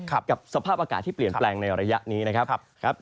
กับสภาพอากาศที่เปลี่ยนแปลงในระยะนี้นะครับ